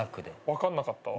分かんなかったわ。